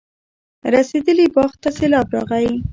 رسېدلي باغ ته سېلاب راغی.